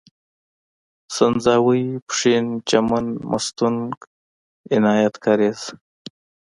سنځاوۍ، پښين، چمن، مستونگ، عنايت کارېز